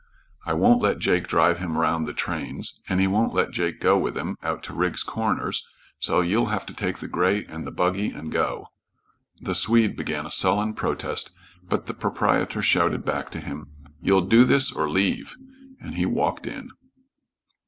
I won't let Jake drive him around the trains, and he won't let Jake go with him out to Rigg's Corners, so you'll have to take the gray and the buggy and go." The Swede began a sullen protest, but the proprietor shouted back to him, "You'll do this or leave," and walked in.